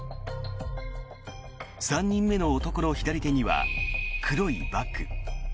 ３人目の男の左手には黒いバッグ。